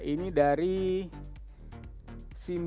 ini dari simba